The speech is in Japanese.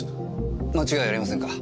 間違いありませんか？